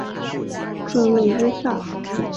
克瑞乌萨。